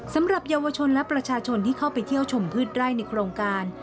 สำหรับเยาวชนและประชาชนที่เข้าไปเที่ยวชมพืชไร่ในโครงการ